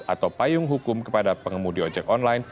atau payung hukum kepada pengemudi ojol